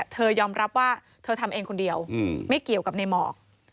ยอมรับว่าเธอทำเองคนเดียวไม่เกี่ยวกับในหมอก